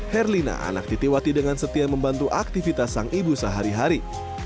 herlina anak titiwati dengan setia membantu aktivitas sang ibu sehari hari